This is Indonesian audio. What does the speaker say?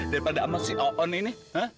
daripada amak si oon ini